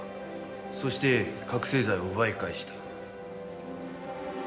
そして覚せい剤を奪い返した。